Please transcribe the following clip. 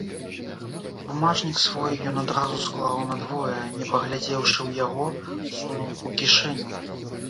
Бумажнік свой ён адразу склаў надвое, не паглядзеўшы ў яго, сунуў у кішэню.